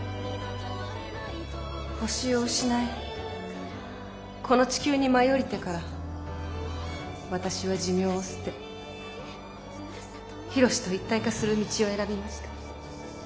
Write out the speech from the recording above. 星を失いこの地球に舞い降りてから私は寿命を捨てヒロシと一体化する道を選びました。